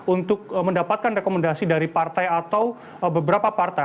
untuk mendapatkan rekomendasi dari partai atau beberapa partai